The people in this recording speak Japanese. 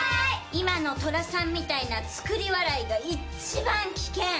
今のトラさんみたいな作り笑いが一番危険！